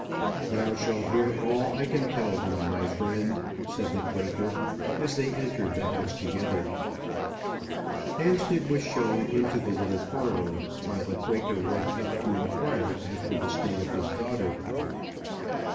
"Thou shalt hear all I can tell thee, my friend," said the Quaker, as they entered the house together. Hampstead was shown into the little parlour, while the Quaker went up to inquire after the state of his daughter.